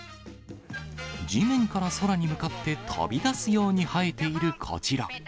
地面から空に向かって飛び出すように生えているこちら。